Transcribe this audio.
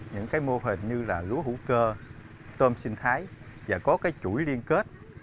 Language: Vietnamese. những cái mô hình như là lúa hữu cơ tôm sinh thái và có cái chuỗi liên kết